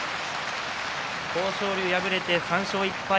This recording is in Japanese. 豊昇龍、敗れました、３勝１敗。